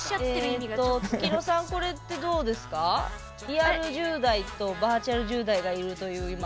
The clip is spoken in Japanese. リアル１０代とバーチャル１０代がいるという今。